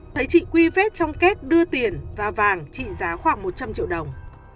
thấy chị quy vết trong kết đưa tiền và vàng trị giá khoảng một trăm linh triệu đồng